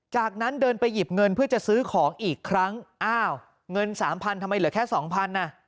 จากนั้นเดินไปหยิบเงินเพื่อจะซื้อของอีกครั้งอ้าวเงินสามพันทำไมเหลือแค่สองพันอ่ะ